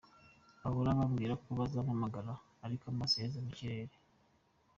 Bahora bambwira ko bazampamagara ariko amaso yaheze mu kirere.